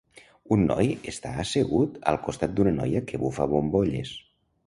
Un noi està assegut al costat d'una noia que bufa bombolles